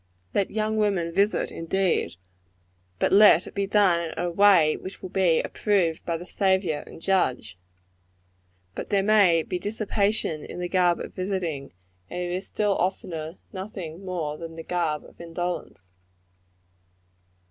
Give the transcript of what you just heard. Let young women visit, indeed, but lot it be done in a way which will be approved by the Saviour and Judge. But there may be dissipation in the garb of visiting; and it is still oftener nothing more than the garb of indolence.